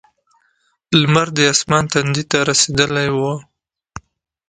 لمر د اسمان تندي ته رسېدلی و.